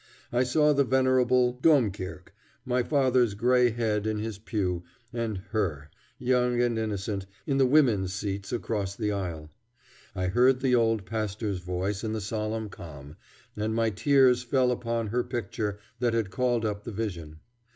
I saw the venerable Domkirke, my father's gray head in his pew, and Her, young and innocent, in the women's seats across the aisle. I heard the old pastor's voice in the solemn calm, and my tears fell upon her picture that had called up the vision.